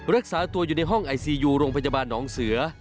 รักษาตัวอยู่ในห้องไอซียูโรงพยาบาลหนองเสือ